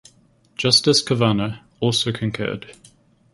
Justice Kavanaugh also concurred.